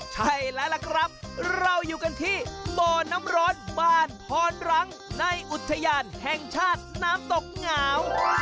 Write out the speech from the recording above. ใช่แล้วล่ะครับเราอยู่กันที่บ่อน้ำร้อนบ้านพรรังในอุทยานแห่งชาติน้ำตกเหงาว